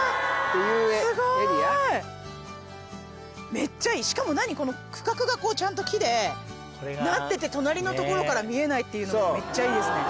めっちゃいいしかも何この区画がこうちゃんと木でなってて隣のところから見えないっていうのがめっちゃいいです。